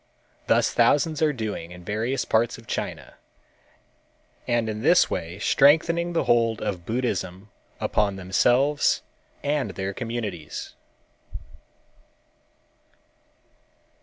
Thus thousands are doing in various parts of China, and in this way strengthening the hold of Buddhism upon themselves and their communities.